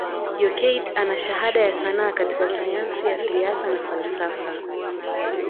Jokate ana shahada ya sanaa katika sayansi ya Siasa na falsafa